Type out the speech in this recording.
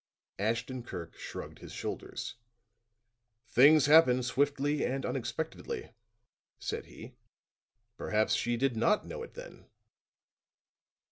Ashton Kirk shrugged his shoulders. "Things happen swiftly and unexpectedly," said he. "Perhaps she did not know it then."